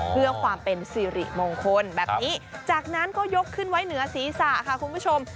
เพื่อความเป็นสิริมงคลแบบนี้จากนั้นก็ยกขึ้นไว้เหนือศีรษะค่ะคุณผู้ชม